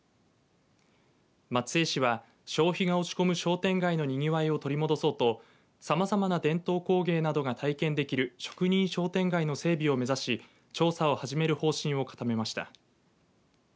松江市は消費が落ち込む商店街のにぎわいを取り戻そうとさまざまな伝統工芸などが体験できる職人商店街の整備を目指し調査を始める方針を固めました。